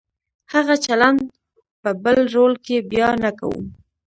هغه چلند په بل رول کې بیا نه کوو.